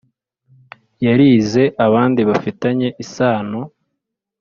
Yarize ibindi bifitanye isano